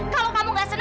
kalau kamu nggak sedih